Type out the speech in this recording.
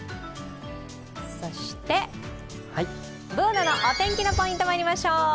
そして、Ｂｏｏｎａのお天気のポイントまいりましょう。